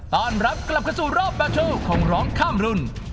ต้อนรับกลับเข้าสู่รอบบาโทของร้องข้ามรุ่น